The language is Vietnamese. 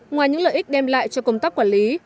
ngoài những lợi ích đem lại cho công tác quản lý